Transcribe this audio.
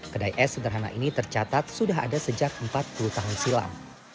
kedai es sederhana ini tercatat sudah ada sejak empat puluh tahun silam